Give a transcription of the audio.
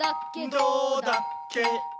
どうだっけ？